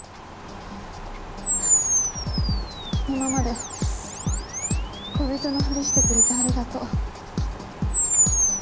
今まで恋人のふりしてくれてありがとう。